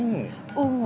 ungu cantik sekali ya